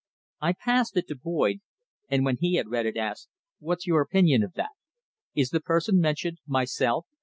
I passed it to Boyd, and when he had read it, asked "What's your opinion of that? Is the person mentioned myself?